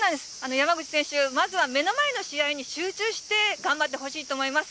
山口選手、まずは目の前の試合に集中して頑張ってほしいと思います。